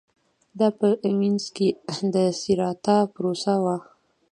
دا په وینز کې د سېراتا پروسه وه